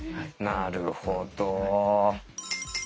なるほど。